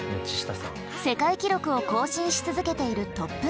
世界記録を更新し続けているトップランナー。